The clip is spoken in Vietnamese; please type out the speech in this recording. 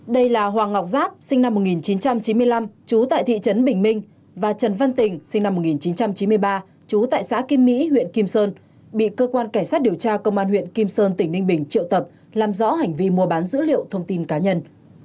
đây là hoàng ngọc giáp sinh năm một nghìn chín trăm chín mươi năm chú tại thị trấn bình minh và trần văn tình sinh năm một nghìn chín trăm chín mươi ba trú tại xã kim mỹ huyện kim sơn bị cơ quan cảnh sát điều tra công an huyện kim sơn tỉnh ninh bình triệu tập làm rõ hành vi mua bán dữ liệu thông tin cá nhân